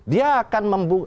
dia akan membungkus